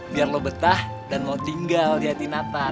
biar lo betah dan lo tinggal di hati natal